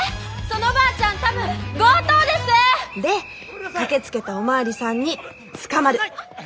そのおばあちゃん多分強盗です！で駆けつけたお巡りさんに捕まる。